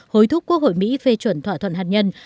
hối thúc quốc hội mỹ phê chuẩn thỏa thuận hạt nhân